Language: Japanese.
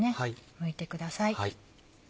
むいてください。